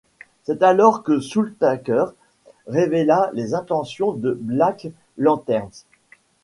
C'est alors que Soultaker révéla les intentions de Black Lanterns.